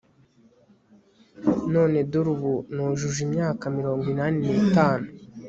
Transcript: none dore ubu nujuje imyaka mirongo inani n'itanu